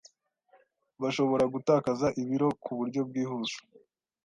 bashobora gutakaza ibiro ku buryo bwihuse